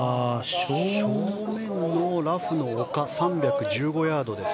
正面のラフの丘３１５ヤードです。